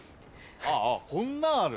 ああこんなんある。